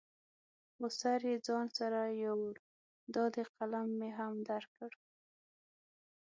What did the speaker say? خو سر یې ځان سره یوړ، دا دی قلم مې هم درکړ.